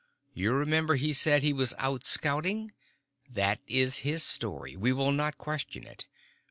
You remember he said he was out scouting. That is his story. We will not question it.